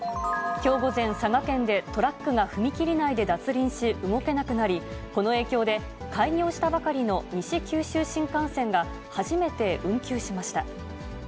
きょう午前、佐賀県でトラックが踏切内で脱輪し、動けなくなり、この影響で開業したばかりの西九州新幹線が、初めて運休しました。